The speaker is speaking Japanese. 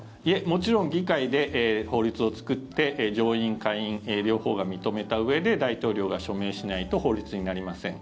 もちろん、議会で法律を作って上院下院、両方が認めたうえで大統領が署名しないと法律になりません。